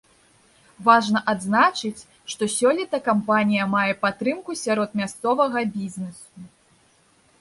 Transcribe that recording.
Важна адзначыць, што сёлета кампанія мае падтрымку сярод мясцовага бізнэсу.